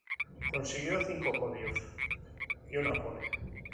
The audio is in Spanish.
Consiguió cinco podios y una pole.